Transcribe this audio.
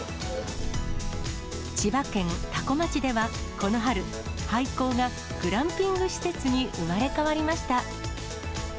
千葉県多古町ではこの春、廃校がグランピング施設に生まれ変わりました。